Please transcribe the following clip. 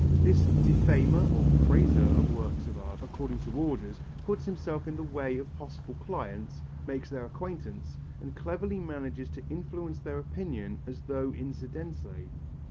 This defamer or praiser of works of art according to orders, puts himself in the way of possible clients, makes their acquaintance, and cleverly manages to influence their opinion as though incidentally.